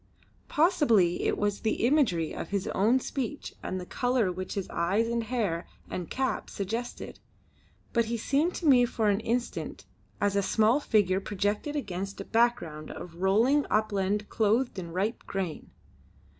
Possibly it was the imagery of his own speech and the colour which his eyes and hair and cap suggested, but he seemed to me for an instant as a small figure projected against a background of rolling upland clothed in ripe grain.